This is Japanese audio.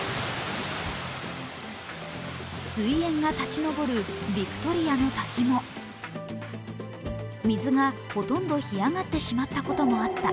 水煙が立ち上るヴィクトリアの滝も水がほとんど干上がってしまったこともあった。